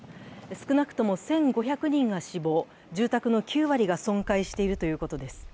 少なくとも１５００人が死亡、住宅の９割が損壊しているということです。